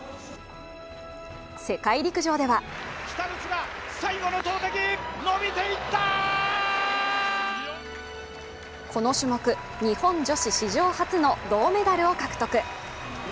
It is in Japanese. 世界陸上ではこの種目、日本女子史上初の銅メダルを獲得。